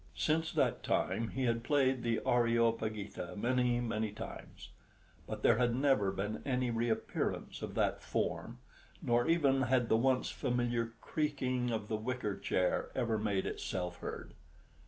Since that time he had played the "Areopagita" many, many times; but there had never been any reappearance of that form, nor even had the once familiar creaking of the wicker chair ever made itself heard.